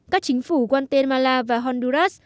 các chính phủ guatemala và honduras